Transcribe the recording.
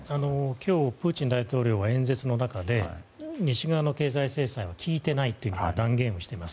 今日、プーチン大統領は演説の中で西側の経済制裁は効いていないというふうに断言しています。